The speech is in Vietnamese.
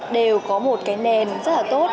đều có một cái nền rất là tốt